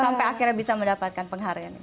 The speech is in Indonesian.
sampai akhirnya bisa mendapatkan penghargaan